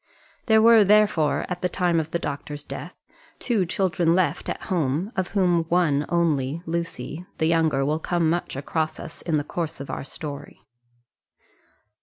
There were, therefore, at the time of the doctor's death two children left at home, of whom one only, Lucy, the younger, will come much across us in the course of our story.